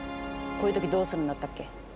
こういうときどうするんだったっけ？